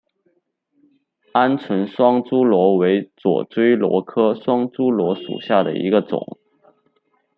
鹌鹑双珠螺为左锥螺科双珠螺属下的一个种。